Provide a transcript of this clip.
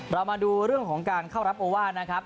เรามาดูเรื่องของการเข้ารับโอว่านะครับ